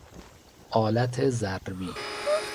آلت ضربی